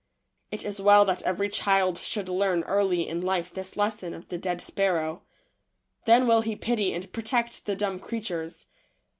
It is well that every child should learn early in life this lesson of the dead sparrow — then will he pity and protect the dumb creatures.